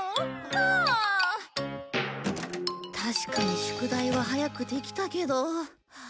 確かに宿題は早くできたけど。